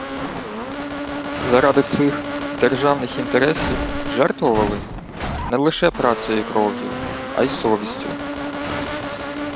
Заради цих «державних інтересів» жертвували – не лише працею і кров'ю, а й совістю